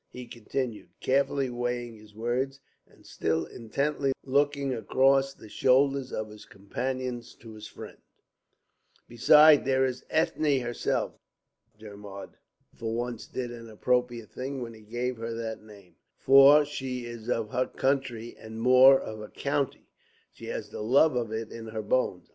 He continued, carefully weighing his words, and still intently looking across the shoulders of his companions to his friend: "Besides, there is Ethne herself. Dermod for once did an appropriate thing when he gave her that name. For she is of her country, and more, of her county. She has the love of it in her bones.